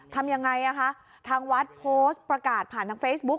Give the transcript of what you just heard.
ทำยังไงอ่ะคะทางวัดโพสต์ประกาศผ่านทางเฟซบุ๊ค